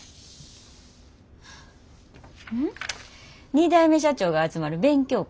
２代目社長が集まる勉強会。